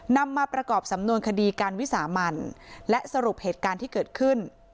นำมาประกอบสำนวนคดีการวิสามันและสรุปเหตุการณ์ที่เกิดขึ้น